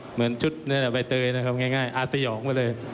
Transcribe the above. เหมือนชุดใบเตยนะครับง่ายอาสยองไปเลย